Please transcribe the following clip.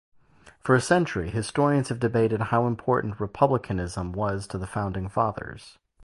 For a century, historians have debated how important republicanism was to the Founding Fathers.